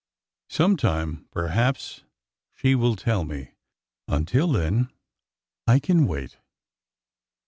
Sometime, perhaps, she will tell me. Until then I can wait."